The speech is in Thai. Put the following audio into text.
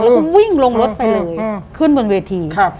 แล้วก็วิ่งลงรถไปเลยขึ้นบนเวที